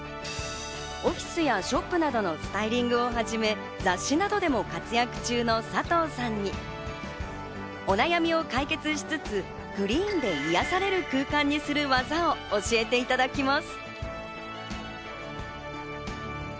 オフィスやショップなどのスタイリングをはじめ雑誌などでも活躍中のさとうさんにお悩みを解決しつつグリーンで癒される空間にする技を教えていただきます。